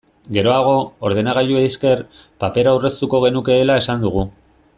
Geroago, ordenagailuei esker, papera aurreztuko genukeela esan dugu.